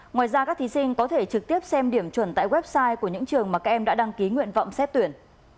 ngoài ra các thí sinh có thể trực tiếp xem điểm chuẩn tại website của những trường mà các em đã đăng ký nguyện vọng xét tuyển